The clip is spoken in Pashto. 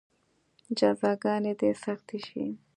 جزاګانې دې سختې شي.